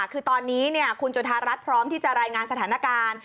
คือตอนนี้คุณจุธารัฐพร้อมที่จะรายงานสถานการณ์